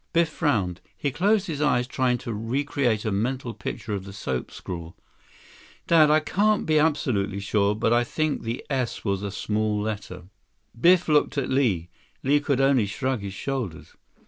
Biff frowned. He closed his eyes trying to recreate a mental picture of the soap scrawl. "Dad, I can't be absolutely sure, but I think the s was a small letter." Biff looked at Li. Li could only shrug his shoulders.